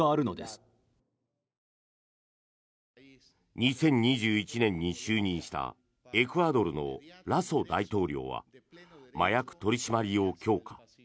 ２０２１年に就任したエクアドルのラソ大統領は麻薬取り締まりを強化。